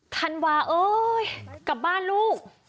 ธันวาเอ้ยกลับบ้านลูก